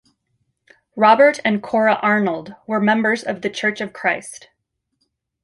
Robert and Cora Arnold were members of the Church of Christ.